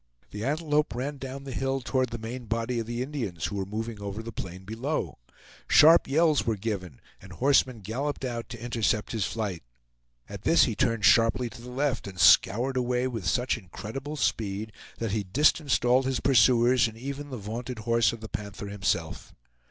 The antelope ran down the hill toward the main body of the Indians who were moving over the plain below. Sharp yells were given and horsemen galloped out to intercept his flight. At this he turned sharply to the left and scoured away with such incredible speed that he distanced all his pursuers and even the vaunted horse of the Panther himself.